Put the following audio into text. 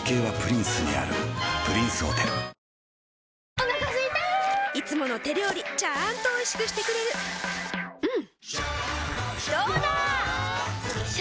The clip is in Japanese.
お腹すいたいつもの手料理ちゃんとおいしくしてくれるジューうんどうだわ！